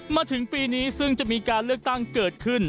มาถึงปีนี้ซึ่งจะมีการเลือกตั้งเกิดขึ้น